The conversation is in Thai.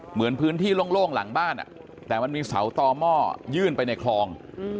เหมือนพื้นที่โล่งหลังบ้านแต่มันมีเสาต่อหม้อยื่นไปในคลอง